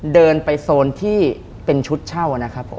เดินไปโซนที่เป็นชุดเช่า